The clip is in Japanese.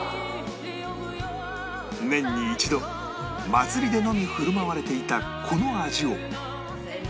年に１度祭りでのみ振る舞われていたこの味を